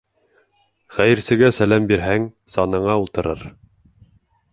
Хәйерсегә сәләм бирһәң, санаңа ултырыр.